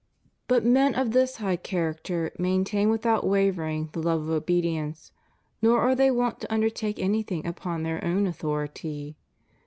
But men of this high character maintain without wavering the love of obe dience, nor are they wont to undertake anything upon their own authority.